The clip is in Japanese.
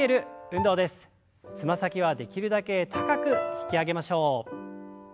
つま先はできるだけ高く引き上げましょう。